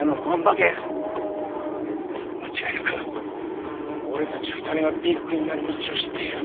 間違いなく俺たち２人がビッグになる道を知っている！